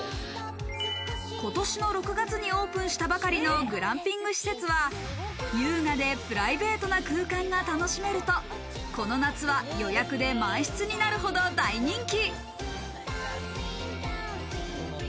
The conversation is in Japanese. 今年６月にオープンしたばかりのグランピング施設は、優雅でプライベートな空間が楽しめるとこの夏は予約で満室になるほど大人気。